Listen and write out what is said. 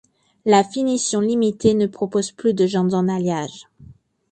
La finition Limitée ne propose plus de jantes en alliage.